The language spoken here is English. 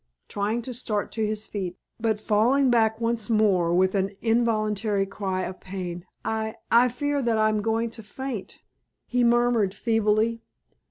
trying to start to his feet, but falling back once more with an involuntary cry of pain. "I I fear that I am going to faint!" he murmured, feebly.